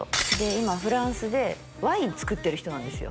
今フランスでワイン造ってる人なんですよ